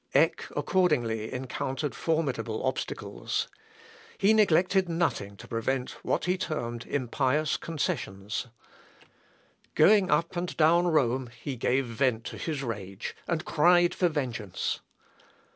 [Sidenote: PAPACY AND THE REFORMATION.] Eck accordingly encountered formidable obstacles. He neglected nothing to prevent what he termed impious concessions. Going up and down Rome, he gave vent to his rage, and cried for vengeance.